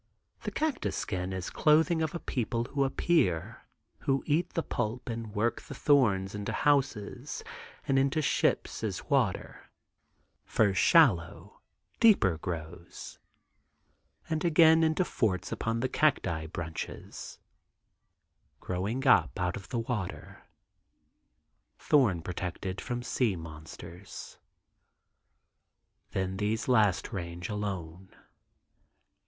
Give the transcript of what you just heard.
The cactus skin is clothing of a people who appear, who eat the pulp and work the thorns into houses and into ships as water, first shallow, deeper grows; and again into forts upon the cacti brunches growing up out of the water, thorn protected from sea monsters. Then these last range alone.